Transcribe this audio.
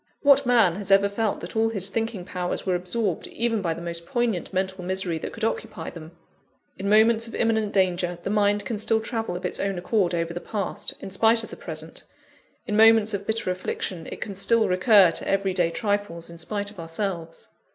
What man has ever felt that all his thinking powers were absorbed, even by the most poignant mental misery that could occupy them? In moments of imminent danger, the mind can still travel of its own accord over the past, in spite of the present in moments of bitter affliction, it can still recur to every day trifles, in spite of ourselves.